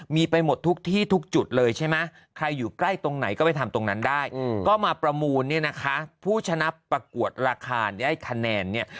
มีไปหมดทุกที่ทุกจุดเลยใช่ไหมใครอยู่ใกล้ตรงไหนก็ไปทำตรงนั้นได้ก็มาประมูลเนี่ยนะคะผู้ชนะประกวดราคาได้คะแนนเนี่ย